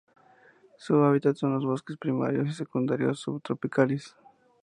Su hábitat son los bosques primarios y secundarios subtropicales.